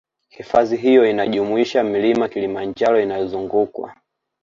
Hifadhi hiyo inajumuisha Mlima Kilimanjaro inayozungukwa